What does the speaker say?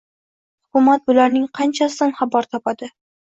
Hukumat bularning qanchasidan xabar topadi?